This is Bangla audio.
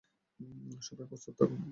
সবাই, প্রস্তুত থাকুন।